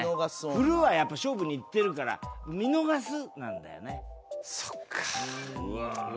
「振る」はやっぱ勝負にいってるから「見逃す」なんだよね。